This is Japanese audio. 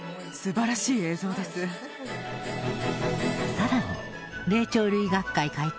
更に霊長類学会会長